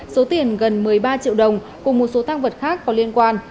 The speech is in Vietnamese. số tiền gần một mươi ba triệu đồng cùng một số tăng vật khác có liên quan